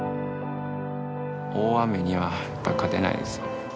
大雨にはやっぱ勝てないです。